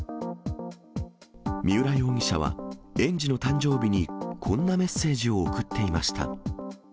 三浦容疑者は、園児の誕生日に、こんなメッセージを贈っていました。